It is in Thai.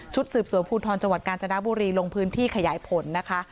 สืบสวนภูทรจังหวัดกาญจนบุรีลงพื้นที่ขยายผลนะคะ